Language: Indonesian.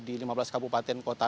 di lima belas kabupaten kota